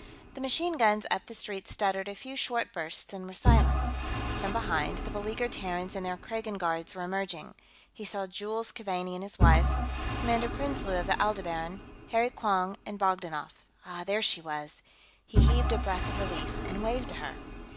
The machine guns up the street stuttered a few short bursts and were silent. From behind, the beleaguered Terrans and their Kragan guards were emerging. He saw Jules Keaveney and his wife, Commander Prinsloo of the Aldebaran, Harry Quong and Bogdanoff. Ah, there she was! He heaved a breath of relief and waved to her.